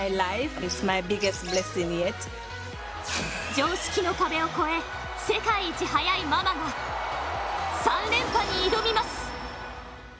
常識の壁を超え世界一速いママの３連覇に挑みます。